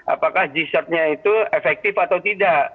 apakah g sertnya itu efektif atau tidak